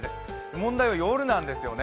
問題は夜なんですよね。